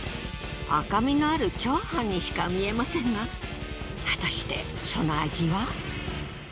赤みのある炒飯にしか見えませんが果たしてその味は？